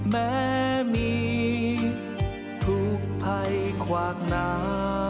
แม้มีทุกภัยควากน้ำ